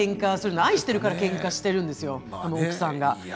愛しているからけんかしているんですよ奥さんが。